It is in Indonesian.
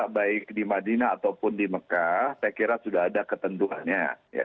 baik di madinah ataupun di mekah saya kira sudah ada ketentuannya